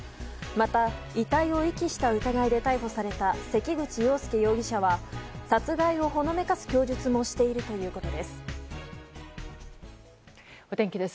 また、遺体を遺棄した疑いで逮捕された関口羊佑容疑者は殺害をほのめかす供述もお天気です。